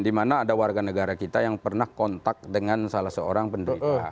di mana ada warga negara kita yang pernah kontak dengan salah seorang penderita